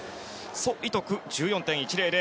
ソ・イトク、１４．１００。